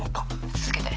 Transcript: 続けて。